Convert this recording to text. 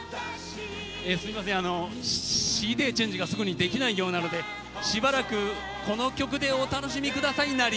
すいませんＣＤチェンジがすぐにできないようなのでしばらくこの曲でお楽しみ下さいナリ。